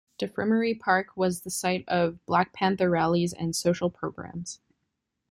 DeFremery Park was the site of Black Panther rallies and social programs.